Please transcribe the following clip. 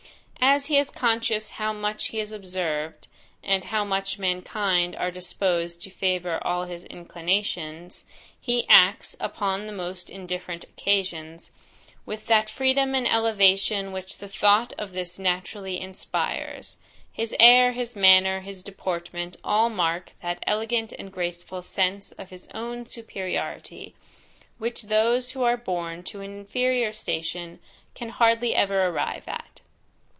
As he is conscious how much he is observed, and how much mankind are disposed to favour all his inclinations, he acts, upon the most indifferent occasions, with that freedom and elevation which the thought of this naturally inspires. His air, his manner, his deportment all mark that elegant and graceful sense of his own superiority, which those who are born to an inferior station can hardly ever arrive at.